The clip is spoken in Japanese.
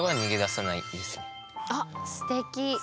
僕はあっすてき。